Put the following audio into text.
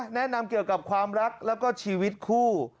แนะนำเกี่ยวกับความรักแล้วก็ชีวิตคู่